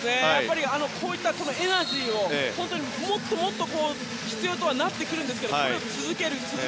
こういったエナジーがもっともっと必要になってくるんですけど続けること。